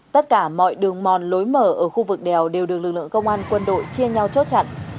tất cả mọi đường mòn lối mở ở khu vực đèo đều được lực lượng công an quân đội chia nhau chốt chặn